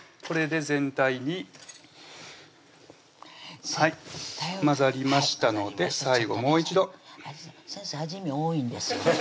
これで全体に混ざりましたので最後もう一度先生味見多いんですよ